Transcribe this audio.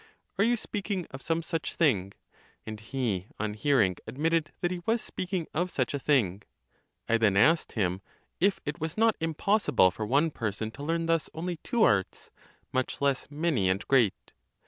Are you speaking of some such thing ?—And he, on hearing, ad mitted that he was speaking of such a thing.—[4.] I then asked him, if it was not impossible for one person to learn thus? only two arts, much less, many and great.